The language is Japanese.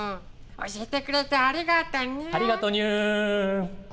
教えてくれてありがとにゅ。